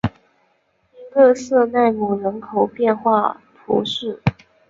伊勒瑟奈姆人口变化图示